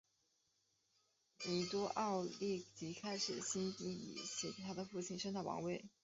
奥多尼奥立即开始兴兵以协助他的父亲声讨王位。